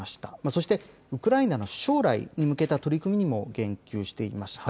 そして、ウクライナの将来に向けた取り組みにも言及していました。